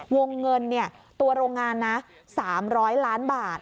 วงเงินตัวโรงงานนะ๓๐๐ล้านบาท